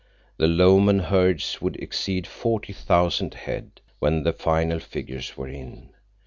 The Lomen herds would exceed forty thousand head, when the final figures were in.